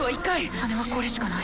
羽根はこれしかない。